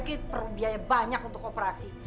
tapi perbiayaan banyak untuk operasi